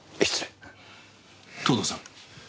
藤堂さん